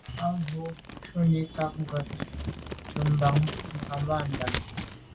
Á cúp mbə̄ shúnī nâʼ kghút jùp bǎʼ bû ŋgámbándá.